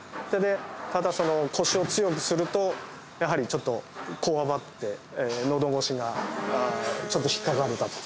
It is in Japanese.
ただそのコシを強くするとやはりちょっとこわばって喉越しがちょっと引っかかると。